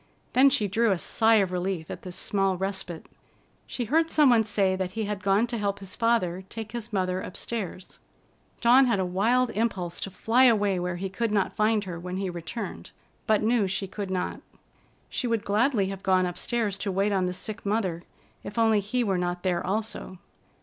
Then she drew a sigh of relief at this small respite. She heard some one say that he had gone to help his father take his mother upstairs. Dawn had a wild impulse to fly away where he could not find her when he returned, but knew she could not. She would gladly have gone upstairs to wait on the sick mother, if only he were not there also.